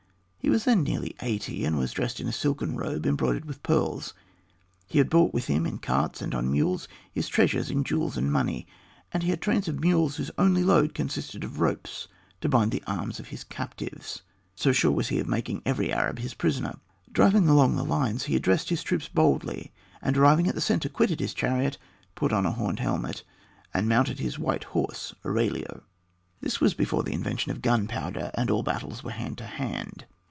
He was then nearly eighty, and was dressed in a silken robe embroidered with pearls. He had brought with him in carts and on mules his treasures in jewels and money; and he had trains of mules whose only load consisted of ropes, to bind the arms of his captives, so sure was he of making every Arab his prisoner. Driving along the lines he addressed his troops boldly, and arriving at the centre quitted his chariot, put on a horned helmet, and mounted his white horse Orelio. This was before the invention of gunpowder, and all battles were hand to hand.